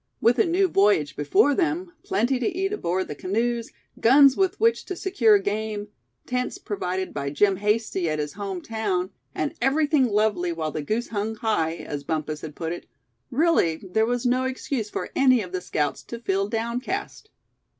With a new voyage before them, plenty to eat aboard the canoes, guns with which to secure game, tents provided by Jim Hasty at his home town; and "everything lovely, while the goose hung high," as Bumpus had put it, really there was no excuse for any of the scouts to feel downcast.